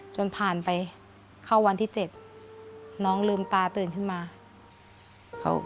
จนผ่านไปเข้าวันที่๗น้องลืมตาตื่นขึ้นมา